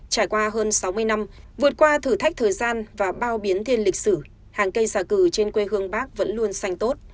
trải qua hơn sáu mươi năm vượt qua thử thách thời gian và bao biến thiên lịch sử hàng cây xà cừ trên quê hương bắc vẫn luôn xanh tốt